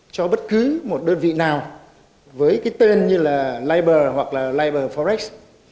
cho bất cứ một đơn vị nào với cái tên như là libor hoặc là libor forex